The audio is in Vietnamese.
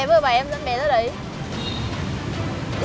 lời mẹ vừa đi khỏi